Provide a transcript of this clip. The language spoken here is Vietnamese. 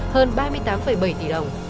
hơn ba mươi tám bảy tỷ đồng